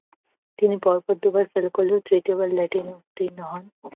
তিনি পরপর দুবার ফেল করলেও তৃতীয় বারে ল্যাটিনে উত্তীর্ণ হন।